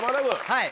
はい。